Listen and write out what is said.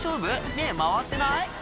目ぇ回ってない？